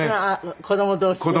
子供同士でね。